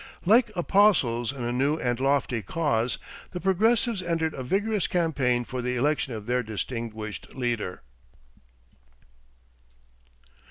Like apostles in a new and lofty cause, the Progressives entered a vigorous campaign for the election of their distinguished leader.